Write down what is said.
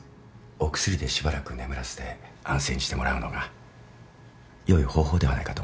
お薬でしばらく眠らせて安静にしてもらうのが良い方法ではないかと思っています。